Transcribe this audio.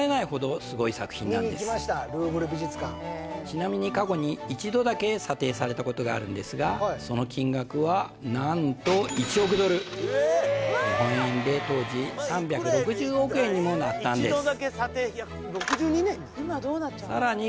ちなみに過去に一度だけ査定されたことがあるんですがその金額は何と１億ドル日本円で当時３６０億円にもなったんです